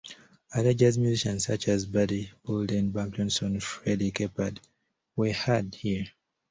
Early jazz musicians such as Buddy Bolden, Bunk Johnson, Freddie Keppard were heard here.